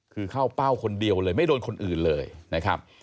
คือเข้าเป้าคนเดียวเลยไม่โดนคนอื่นเลยนะครับ